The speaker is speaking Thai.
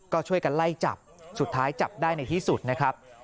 ก็ช่วยกันไล่จับสุดท้ายจับได้ในที่สุดนะครับ